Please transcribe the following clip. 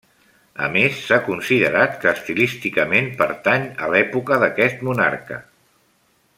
A més s'ha considerat que estilísticament pertany a l'època d'aquest monarca.